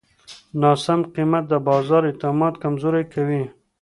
ناسم قیمت د بازار اعتماد کمزوری کوي.